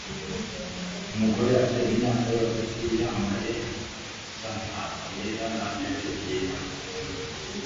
Umugore ufite imyaka yo hagati yambaye sunhat yera na jacket yera